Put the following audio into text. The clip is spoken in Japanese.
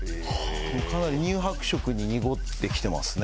かなり乳白色に濁ってきてますね